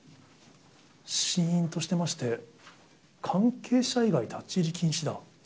しーんとしてまして、関係者以外立ち入り禁止だ。